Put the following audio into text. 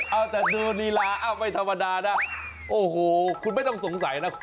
เอาแต่ดูลีลาเอ้าไม่ธรรมดานะโอ้โหคุณไม่ต้องสงสัยนะ